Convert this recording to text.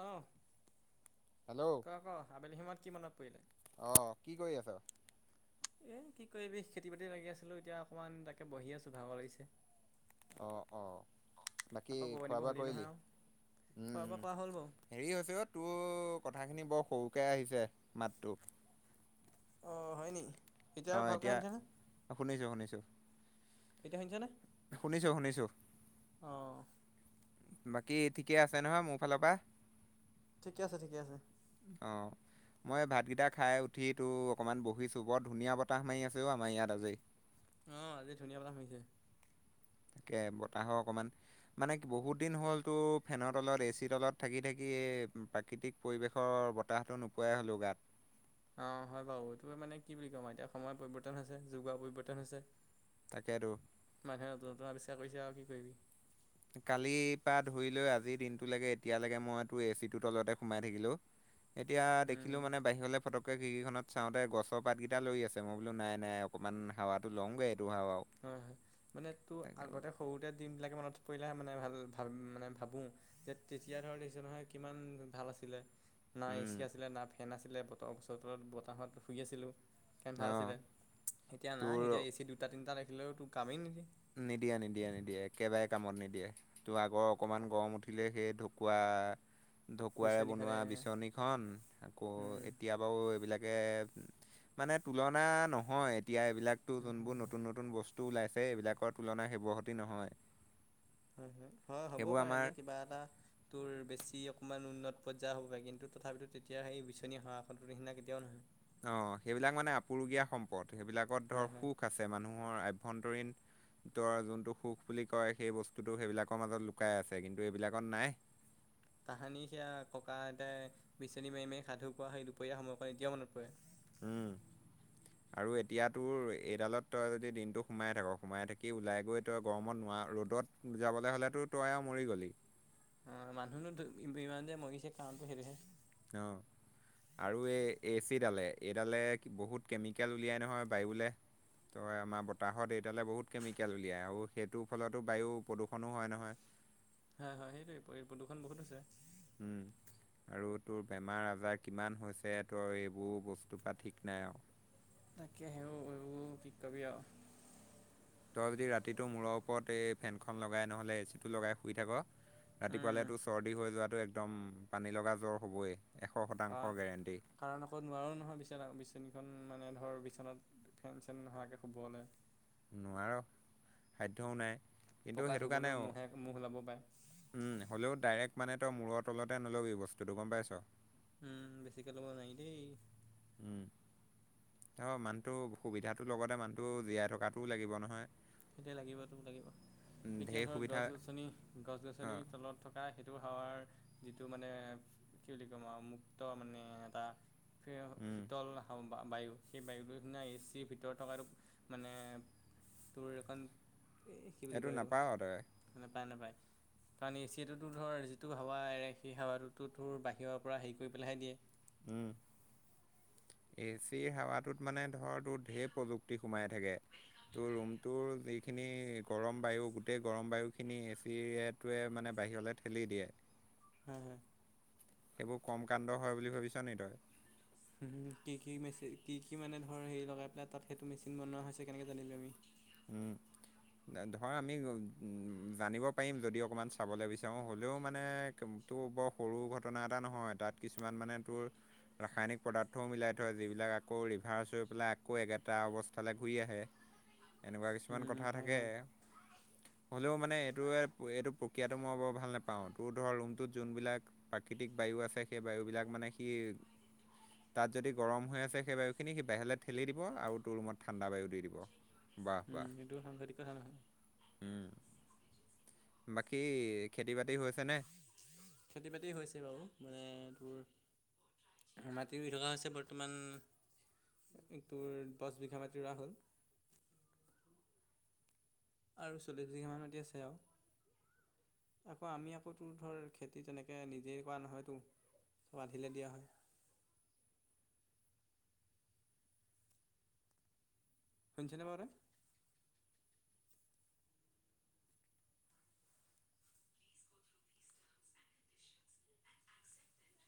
অ'। Hello ক' ক' আবেলি সময়ত কিমানত কৰিবি? অঁ কি কৰি আছ? এ, কি কৰিববি, খেতি বাতি লাগি আছিলোঁ, এতিয়া অকমান তাকে বহি আছোঁ, ভাগৰ লাগিছে। অ', অ' বাকী আকৌ গৰু খোৱা আনিব বোৱা হ'লেই কৰিলি? নহয় আৰু উম, খোৱা বোৱা কৰা হ'ল উম। বাৰু। হেৰি হৈছে অ' তোৰ কথাখিনি বৰ সৰুকে আহিছে মাতটো। অ' হয় নি? অ', ভালকৈ এতিয়া শুনিছানে? শুনিছো শুনিছো। এতিয়া শুনিছা নে? শুনিছোঁ শুনিছোঁ। অ'। বাকী ঠিকে আছে নহয় মোৰ ফালৰ পৰা। ঠিকে আছে, ঠিকে আছে। অ'। মই ভাতকেইটা খাই উঠি তোৰ অকণমান বহিছোঁ বৰ ধুনীয়া বতাহ মাৰি আছে অ' আমাৰ ইয়াত আজি। অ', আজি ধুনীয়া বতাহ মাৰি আছে। তাকে, বতাহৰ অকমান মানে বহুত দিন হ'ল তোৰ ফেনৰ তলত এ চিৰ তলত থাকি থাকি প্ৰাকৃতিক পৰিৱেশৰ বতাহটো নোপোৱাই হ'লো গাত। অ', হয় বাৰু এইটো মানে কি বুলি ক'ম এতিয়া সময়ৰ পৰিৱৰ্তন হৈছে যোগাৰ পৰিৱৰ্তন হৈছে। তাকেটো। মানুহে নতুন নতুন আৱিষ্কাৰ কৰিছে আৰু, কি কৰিবি। কালিৰ পৰা ধৰি লৈ আজিৰ দিনটো লকে এতিয়ালৈকে মইতো এচি ৰ তলতে সোমাই থাকিলো। [inaudible] এতিয়া উম। দেখিলো মানে বাহিৰলৈ ফটককে খিৰিকিখনত চাওঁতে গছৰ পাতকেইটা লৰি আছে, মই বোলো নাই নাই অকণমান হাৱাটো ল'মগৈ এইটো হাৱাও হয় হয়, মানে তোৰ তাকে বোলো আগতে সৰুতে দিন বিলাকে মনত পৰিলেহে মানে ভাল ভ মানে ভাবো। যে তেতিয়া ধৰ দেখিছোঁ নহয়, কিমান ভাল আছিলে। না এ চি উম, আছিলে, না ফেন আছিলে, বতৰ গচৰ তলত বতাহত শুই আছিলোঁ। কেনফাৰ আছিলে, অ' এতিয়া নাই তোৰ এতিয়া এ চি দুটা তিনিটা ৰাখিলেও তোৰ কামেই নিদিয়ে। নিদিয়ে নিদিয়ে নিদিয়ে, একেবাৰে কামত নিদিয়ে। তোৰ আগৰ অকমান গৰম উঠিলে, সেই ঢকুৱা ঢকুৱাৰে বনোৱা বিচনীখনে বিচনীখন, আকৌ উম এতিয়া বাৰু এইবিলাকে, মানে তুলনা নহয় এতিয়া এইবিলাক যোনবোৰ নতুন নতুন বস্তু ওলাইছে, এইবিলাকৰ তুলনা শেৱহতি নহয়। হয়, হ'বও সেইবোৰ পাৰে আমাৰ যে কিবা এটা তোৰ বেছি অকণমান উন্নত পৰ্যায় হ'ব পাৰে কিন্তু তথাপিতো তেতিয়া সেই বিচনী সঁহা এখনৰৰ নিচিনা কেতিয়াও নহয়। অ', সেইবিলাক মানে আপুৰুগীয়া সম্পদ সেইবিলাকত হয় ধৰ হয় সুখ আছে, মানুহৰ আভ্যন্তৰীণ তোৰ যোনটো সুখ বুলি কয়, সেই বস্তুটো সেইবিলাকৰ মাজত লুকাই আছে, কিন্তু এইবিলাকত নাই। তাহানি সেয়া ককা আইটাই বিচনী মাৰি মাৰি, সাধু কোৱা সেই দুপৰীয়া সময়কণ এতিয়াও মনত পৰে। উম। আৰু এতিয়া তোৰ এইডালত তই যদি দিনটো সোমাই থাক, সোমাই থাকি ওলাই গৈ তই গৰমত নোৱাৰা ৰ'দত যাবলৈ হ'লেতো তই আৰু মৰি গ'লি। অ' মানুহনো ইমান যে মৰিছে কাৰণটো সেইটোহে। অ'। আৰু এই এচিডালে এইডালে বহুত কেমিকেল উলিয়াই নহয়, বায়ুলে। তই আমাৰ বতাহত এইডালে বহুত কেমিকেল উলিয়ায় আৰু সেইটোৰ ফলতো বায়ু প্ৰদূষণ হয় নহয়। হয় হয়, সেইটোৱেই প্ৰদূৰষণ বহুত হৈছে। উম আৰু তোৰ বেমাৰ আজাৰ কিমান হৈছে, তোৰ এইবোৰ বস্তুৰ পৰা ঠিক নাই আৰু। তাকে সেই কি কবি আৰু। তই যদি ৰাতিটো মূৰৰ ওপৰত এই ফেনখন লগাই নহ'লে এ চিটো লগাই শুই থাক উম ৰাতিপুৱালে তোৰ চৰ্দি হৈ যোৱাটো একদম পানীলগা জ্বৰ হ'বই, এশ কাৰণ শতাংশ গেৰেণ্টি। কাৰণ আকৌ নোৱাৰোঁ নহয়, বিচনা বিচনীখন মানে ধৰ বিচনাত ফেন চেন নোহোৱাকৈ শুবলৈ। নোৱাৰো, সাধ্যও নাই। কিন্তু পকা সেইটো কাৰণে শুবলৈও মোহে মহ উলাব পাৰে। উম হলেও ডাইৰেক্ট মানে তই মূৰৰ তলতে নল'বি বস্তুটো গম পাইছ। উম, বেছিকে ল'ব নোৱাৰি দেই। উম, অ, মানুহটো সুবিধাটো লগতে মানুহটো জীয়াই থকাতোও লাগিব নহয়। তেতিয়া লাগিবটো লাগিব, এতিয়া ঢেৰ ধৰক সুবিধা গছ-গছনি গছ গছনিৰ অঁ তলত। থকা সেইটো সেৱাৰ যিটো মানে, কি বুলি ক'ম আৰু মুক্ত মানে এটা উম শীতল বায়ু, সেই বায়ুটো সিনা এচিৰ ভিতৰত থকা মানে তোৰ একণ, এই কি বুলি কয় এইটো নাপাৱ তই মানে নেপায় নেপায়। কাৰণ এচি টোতো ধৰ, যিটো হাৱা এৰে সেই সাৱাটো ধোৰ বাহিৰৰ পৰা হেৰি কৰি পেলাইহে দিয়ে। উম, এ চি হাৱাটোত মানে ধৰ তোৰ ঢেৰ প্ৰযুক্তি সোমাই থাকে তোৰ ৰুমটোৰ যি খিনি গৰম বায়ু গোটেই গৰম বায়ুখিনি এ চিটোৱে মানে বাহিৰলৈ ঠেলি দিয়ে। হয়, হয়। সেইবোৰ কম কাণ্ড হয় বুলি ভাবিছা নি তই। কি কি মেচিন, কি কি মানে, ধৰ হেৰি লগাই পেলাই তাত সেইটো মেচিন বনোৱা হৈছে কেনেকৈ জানিলো আমি। উম, ধৰ আমি জানিব পাৰিম যদি অকণমান চাবলৈ বিচাৰোঁ হ'লেও মানে টোৰ বৰ সৰু ঘটনা এটা নহয়, তাত কিছুমান মানে তোৰ ৰাসায়নিক পদাৰ্থও মিলাই থয়, যিবিলাক আকৌ ৰিভাৰ্চ হৈ পেলাই আকৌ একেটা অৱস্থালৈ ঘূৰি আহে। এনেকুৱা কিছুমান উম কথা হয় থাকে। [inaudible] হ'লেও মানে এইটো-এইটো প্ৰক্ৰিয়াতটো মই বৰ ভাল নোপাওঁ, তোৰ ধৰ ৰুমটোত যোনবিলাক প্ৰাকৃতিক বায়ু আছে সেই বায়ুবিলাক মানে সি তাত যদি গৰম হৈ আছে সেই বায়ু খিনি সি বাহিৰলৈ ঠেলি দিব, আৰু তোৰ ৰুমত ঠাণ্ডা বায়ু দি দিব। বাহ উম, বাহ সেইটো সাংঘাতিক কথা নহয়। উম, বাকী খেতি-বাতি হৈছে নে? খেতি-বাতি হৈছে বাৰু মানে তোৰ মাটিৰ ৰুই থকা হৈছে বৰ্তমান। একটোৰ দশ বিঘা মাটি ৰোৱা হ'ল। আৰু চল্লিছ বিঘামান‌ মাটি আছে আৰু। আকৌ আমি আকৌ তোৰ ধৰ খেতি তেনেকৈ নিজেই কৰা নহয়তো। ৱাধিলে দিয়া হয়। সোনচনে বাৰু তই?